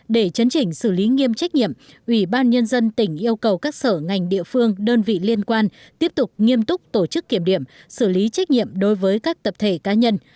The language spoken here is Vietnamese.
để chấn chỉnh xử lý nghiêm trách nhiệm ủy ban nhân dân tỉnh yêu cầu các sở ngành địa phương đơn vị liên quan tiếp tục nghiêm túc tổ chức kiểm điểm xử lý trách nhiệm đối với các tập thể cá nhân